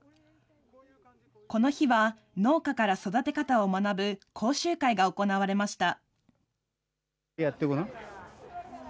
この日は、農家から育て方を学ぶ講習会が行われました。